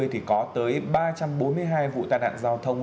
thì có tới ba trăm bốn mươi hai vụ tai nạn giao thông